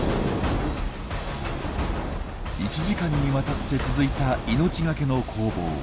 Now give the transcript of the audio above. １時間にわたって続いた命がけの攻防。